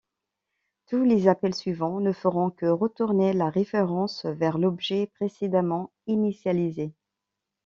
Tous les appels suivants ne feront que retourner la référence vers l'objet précédemment initialisé.